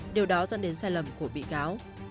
điều đó dẫn đến sai lầm của bị cáo